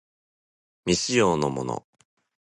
未使用のもの